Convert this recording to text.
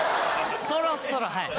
そろそろはい。